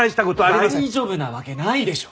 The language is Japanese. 大丈夫なわけないでしょ！